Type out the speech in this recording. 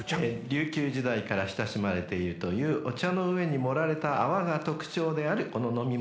［琉球時代から親しまれているというお茶の上に盛られた泡が特徴であるこの飲み物の名前は何？